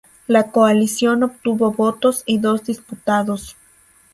La coalición obtuvo votos y dos diputados.